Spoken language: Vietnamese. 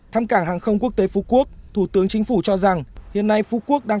thăm cảng hàng không quốc tế phú quốc thủ tướng chính phủ cho rằng hiện nay phú quốc đang